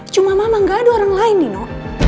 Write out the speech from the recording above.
cuma mama gak ada orang lain nino